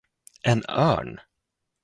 En örn!